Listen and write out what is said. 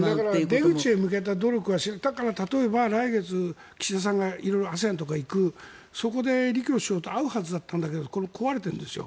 だから出口へ向けた努力例えば、来月、岸田さんが色々、ＡＳＥＡＮとか行くそこで李強首相と会うはずだったんだけどこれも壊れているんですよ。